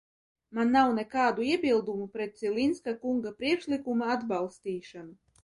Man nav nekādu iebildumu pret Cilinska kunga priekšlikuma atbalstīšanu.